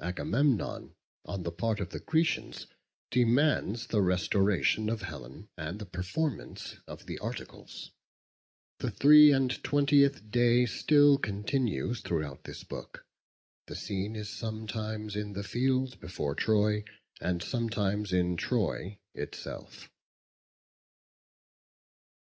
Agamemnon, on the part of the Grecians, demands the restoration of Helen, and the performance of the articles. The three and twentieth day still continues throughout this book. The scene is sometimes in the field before Troy, and sometimes in Troy itself.